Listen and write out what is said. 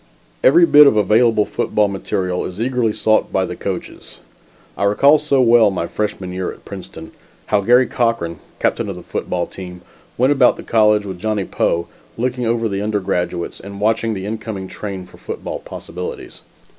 Every bit of available football material is eagerly sought by the coaches. I recall so well my freshman year at Princeton, how Garry Cochran, captain of the football team, went about the college with Johnny Poe, looking over the undergraduates and watching the incoming trains for football possibilities.